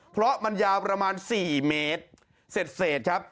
เพราะมันยาวประมาณ๔เมตรเสร็จครับ